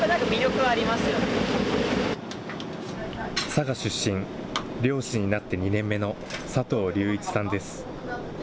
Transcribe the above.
佐賀出身、漁師になって２年目の佐藤竜一さんです。